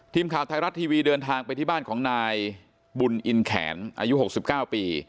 ทีมข่าวไทยรัฐทีวีเดินทางไปที่บ้านของนายบุญอินแขนอายุ๖๙ปี